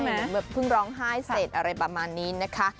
เหมือนแบบเพิ่งร้องไห้เสร็จอะไรประมาณนี้นะคะ